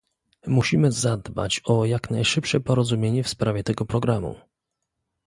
Musimy zadbać o jak najszybsze porozumienie w sprawie tego programu